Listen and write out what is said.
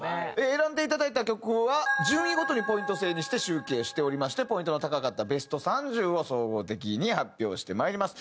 選んでいただいた曲は順位ごとにポイント制にして集計しておりましてポイントの高かったベスト３０を総合的に発表してまいります。